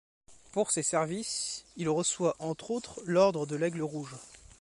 Pour ses services, il reçoit, entre autres, l'ordre de l'Aigle rouge.